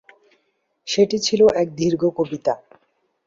সেটি ছিল এক দীর্ঘ কবিতা।